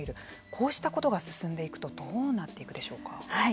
こうしたことが進んでいくとどうなっていくでしょうか。